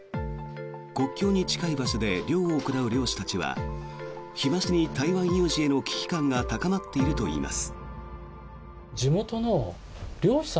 国境に近い場所で漁を行う漁師たちは日増しに台湾有事への危機感が高まっているといいます。